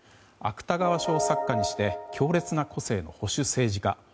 芥川賞作家にして強烈な個性の保守政治家